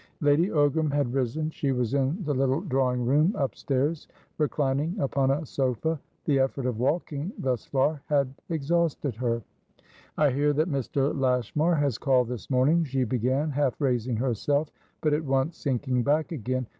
Lady Ogram had risen. She was in the little drawing room upstairs, reclining upon a sofa; the effort of walking thus far had exhausted her. "I hear that Mr. Lashmar has called this morning," she began, half raising herself, but at once sinking back again.